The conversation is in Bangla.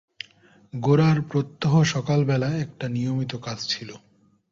গোরার প্রত্যহ সকালবেলায় একটা নিয়মিত কাজ ছিল।